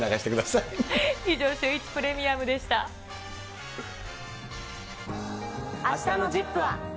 以上、シューイチプレミアムあしたのＺＩＰ！は。